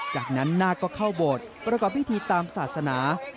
จากนั้นนาคก็เข้าโบสถ์ประกอบพิธีตามศาสนา